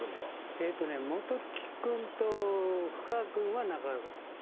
えっとね本木くんと布川くんは仲が良かったです。